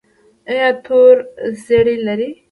ایا تور زیړی لرئ؟